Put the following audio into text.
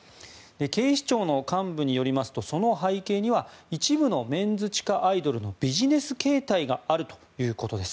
警視庁の幹部によりますとその背景には一部のメンズ地下アイドルのビジネス形態があるということです。